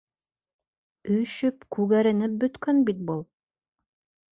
Өшөп, күгәренеп бөткән бит был!..